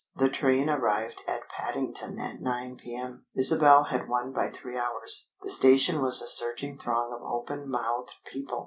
The train arrived at Paddington at 9 P.M. Isabel had won by three hours. The station was a surging throng of open mouthed people.